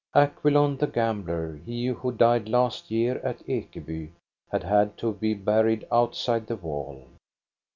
Acquilon, the gambler, he who died last year at Ekeby, had had to be buried outside the wall.